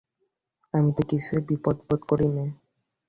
আমি তো কিছুই বিপদ বোধ করি নে।